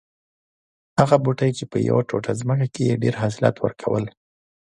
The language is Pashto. هغه بوټی چې په یوه ټوټه ځمکه کې یې ډېر حاصلات ور کول